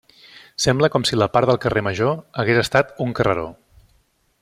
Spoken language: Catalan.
Sembla com si la part del carrer Major hagués estat un carreró.